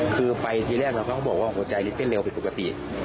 คือไปที่แรกเขาก็บอกว่าของหัวใจนี่เต้นเลวผิดปกติ